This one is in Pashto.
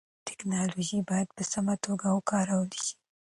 ټیکنالوژي باید په سمه توګه وکارول سي.